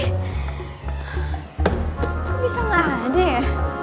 kok bisa gak ada ya